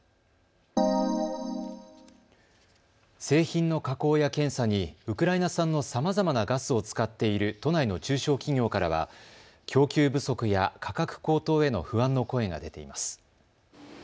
製品の加工や検査にウクライナ産のさまざまなガスを使っている都内の中小企業からは供給不足や価格高騰への不安の声が出ています。